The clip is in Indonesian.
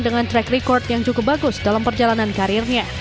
dengan track record yang cukup bagus dalam perjalanan karirnya